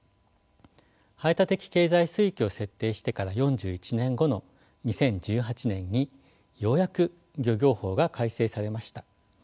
排他的経済水域を設定してから４１年後の２０１８年にようやく漁業法が改正されました。